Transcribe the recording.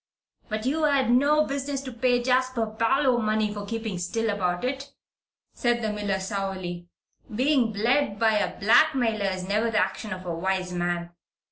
"But you had no business to pay Jasper Parloe money for keeping still about it," said the miller, sourly. "Being bled by a blackmailer is never the action of a wise man.